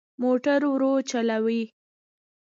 موټر ورو چلوئ